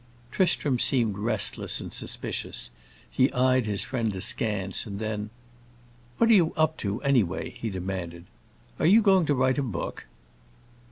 Tristram seemed restless and suspicious; he eyed his friend askance, and then, "What are you up to, anyway?" he demanded. "Are you going to write a book?"